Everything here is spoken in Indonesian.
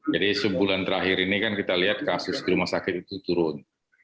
jadi sebulan terakhir ini kan kita lihat kasus di rumah sakit itu turun